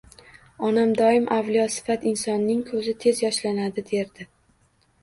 Onam doim Avliyosifat insonning ko`zi tez yoshlanadi, derdi